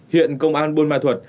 hiện công an buôn ma thuật